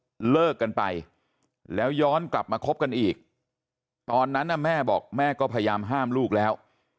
ก็เลิกกันไปแล้วย้อนกลับมาคบกันอีกตอนนั้นแม่บอกแม่ก็พยายามห้ามลูกแล้ว